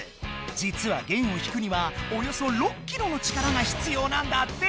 じつは弦を引くにはおよそ６キロの力がひつようなんだって。